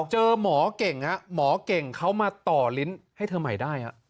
เจอหมอเก่งหมอเก่งเขามาต่อลิ้นให้เธอใหม่ได้